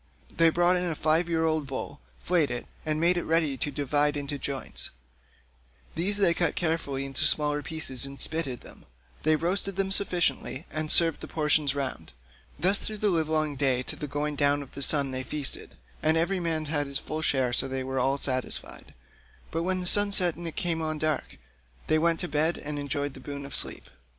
They brought in a five year old bull, flayed it, made it ready and divided it into joints; these they then cut carefully up into smaller pieces and spitted them; they roasted them sufficiently and served the portions round. Thus through the livelong day to the going down of the sun they feasted, and every man had his full share so that all were satisfied; but when the sun set and it came on dark, they went to bed and enjoyed the boon of sleep.